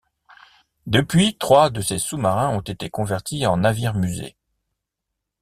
Depuis, trois de ces sous-marins ont été convertis en navire musées.